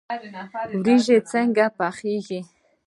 وریجې څنګه پخیږي؟